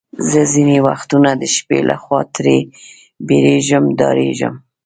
زه ځینې وختونه د شپې له خوا ترې بیریږم، ډارېږم.